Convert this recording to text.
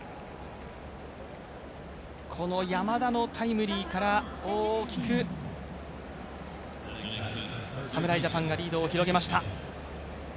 この山田のタイムリーから大きく侍ジャパンがリードを広げました。